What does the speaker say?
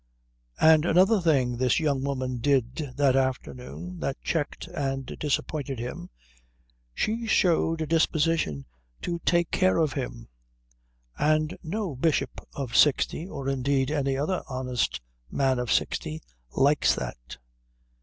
And another thing this young woman did that afternoon that checked and disappointed him she showed a disposition to take care of him; and no bishop of sixty, or indeed any other honest man of sixty, likes that.